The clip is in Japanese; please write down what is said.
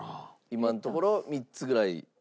今のところ３つぐらい食材。